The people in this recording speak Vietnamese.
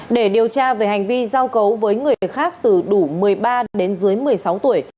để điều tra về hành vi giao cấu với người khác từ đủ một mươi ba đến dưới một mươi sáu tuổi